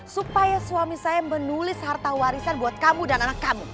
supaya suami saya menulis harta warisan buat kamu dan anak kamu